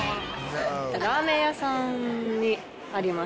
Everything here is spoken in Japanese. ラーメン屋さんにあります。